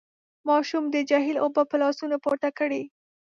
ماشوم د جهيل اوبه په لاسونو پورته کړې.